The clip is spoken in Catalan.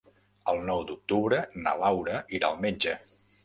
El nou d'octubre na Laura irà al metge.